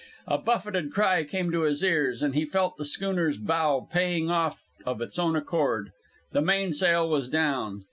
A buffeted cry came to his ears, and he felt the schooner's bow paying off of its own accord. The mainsail was down!